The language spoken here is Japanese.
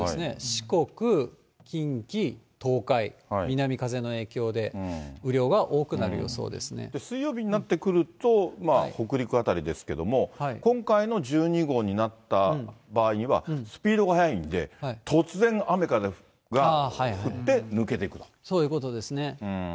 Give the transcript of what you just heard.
四国、近畿、東海、南風の影響で、水曜日になってくると、北陸辺りですけども、今回の１２号になった場合には、スピードが速いんで、突然、そういうことですね。